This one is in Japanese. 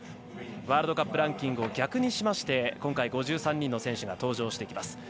ワールドカップランキングを逆にしまして今回５３人の選手が登場してきます。